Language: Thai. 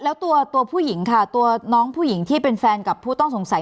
แล้วตัวผู้หญิงค่ะตัวน้องผู้หญิงที่เป็นแฟนกับผู้ต้องสงสัย